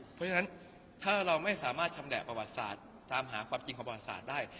เพราะฉะนั้นถ้าเราไม่สามารถชำแหละประวัติศาสตร์ตามหาความจริงของประวัติศาสตร์ได้